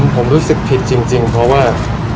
ผมรู้สึกผิดจริงเพราะว่า